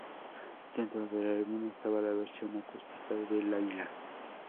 Dentro del álbum estaba la versión acústica de "Layla".